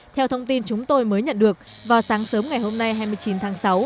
theo thông tin chúng tôi mới nhận được vào sáng sớm ngày hôm nay hai mươi chín tháng sáu